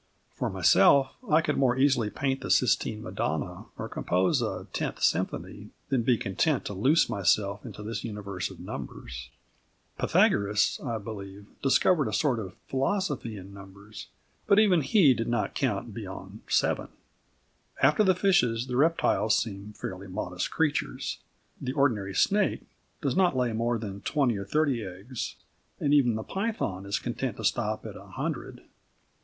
For myself, I could more easily paint the Sistine Madonna or compose a Tenth Symphony than be content to loose myself into this universe of numbers. Pythagoras, I believe, discovered a sort of philosophy in numbers, but even he did not count beyond seven. After the fishes, the reptiles seem fairly modest creatures. The ordinary snake does not lay more than twenty or thirty eggs, and even the python is content to stop at a hundred.